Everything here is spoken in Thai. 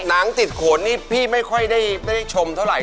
หนังติดโขนนี่พี่ไม่ค่อยได้ชมเท่าไหร